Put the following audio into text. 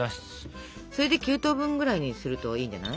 それで９等分ぐらいにするといいんじゃない？